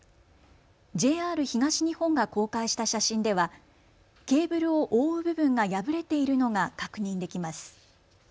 ＪＲ東日本が公開した写真ではケーブルを覆う部分が破れているのが確認できます。